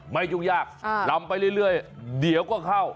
ยุ่งยากลำไปเรื่อยเดี๋ยวก็เข้า